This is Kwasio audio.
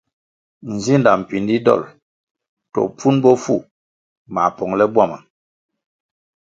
Nzinda mpindi dol to pfun bofu mā pongʼle bwama.